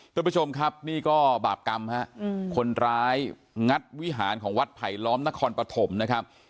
ทุกผู้ชมครับนี่ก็บาปกรรมฮะคนร้ายงัดวิหารของวัดไผลล้อมนครปฐมนะครับ